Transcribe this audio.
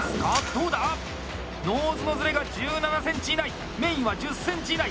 どうだ？ノーズのズレが１７ｃｍ以内メインは１０ｃｍ以内。